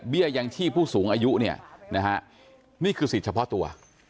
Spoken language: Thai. ยังชีพผู้สูงอายุเนี่ยนะฮะนี่คือสิทธิ์เฉพาะตัว